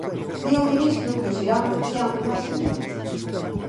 Di o ministro que os irán anunciando máis adiante.